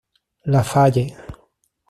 La Faye